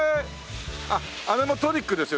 あっあれもトリックですよ。